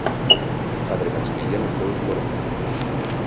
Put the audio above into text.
Padre de Maximiliano Thous Llorens.